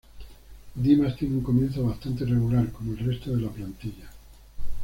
Dimas tiene un comienzo bastante irregular, como el resto de la plantilla.